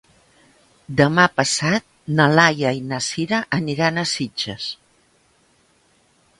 Demà passat na Laia i na Sira aniran a Sitges.